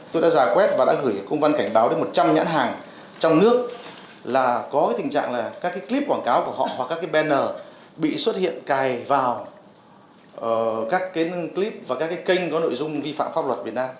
tôi đã ra quét và đã gửi công văn cảnh báo đến một trăm linh nhãn hàng trong nước là có tình trạng là các clip quảng cáo của họ hoặc các banner bị xuất hiện cài vào các clip và các kênh có nội dung vi phạm pháp luật việt nam